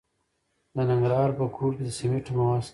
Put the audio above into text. د ننګرهار په کوټ کې د سمنټو مواد شته.